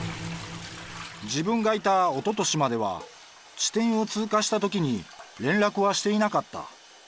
自分がいたおととしまでは、地点を通過したときに連絡はしていなかった。